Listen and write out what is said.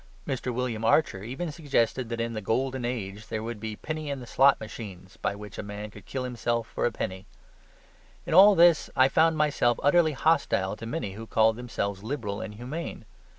Mr. William Archer even suggested that in the golden age there would be penny in the slot machines, by which a man could kill himself for a penny. In all this I found myself utterly hostile to many who called themselves liberal and humane.